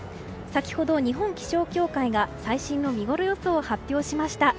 先ほど、日本気象協会が最新の見ごろ予想を発表しました。